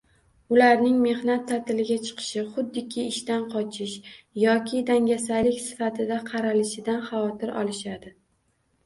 Ularning mehnat taʼtiliga chiqishi, xuddiki ishdan qochish yoki dangasalik sifatida qaralishidan xavotir olishadi.